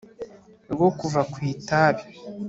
rwo kuva ku itabi